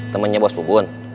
temennya bos pugun